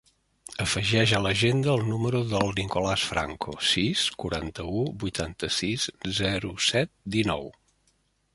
Afegeix a l'agenda el número del Nicolàs Franco: sis, quaranta-u, vuitanta-sis, zero, set, dinou.